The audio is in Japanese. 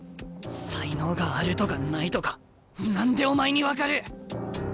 才能があるとかないとか何でお前に分かる見とけ！